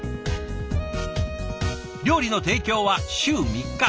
料理の提供は週３日。